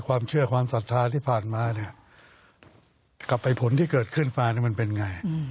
ความเชื่อความศรัทธาที่ผ่านมาเนี่ยกับไอ้ผลที่เกิดขึ้นมามันเป็นไง